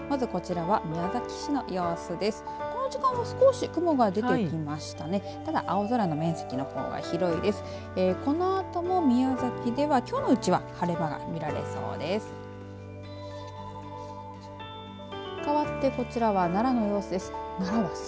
このあとも宮崎ではきょうのうちは晴れ間が見られそうです。